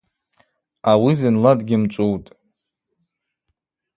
Ауи зынла дгьымчӏвутӏ.